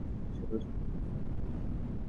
রে বলছে তুমি আমাদের ভুল রাস্তা দিয়ে নিয়ে যাচ্ছ।